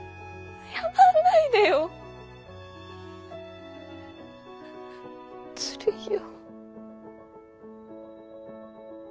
謝んないでよ。ずるいよ。